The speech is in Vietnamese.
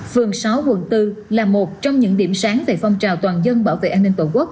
phường sáu quận bốn là một trong những điểm sáng về phong trào toàn dân bảo vệ an ninh tổ quốc